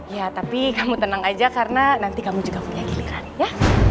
ya tapi kamu tenang aja karena nanti kamu juga punya giliran ya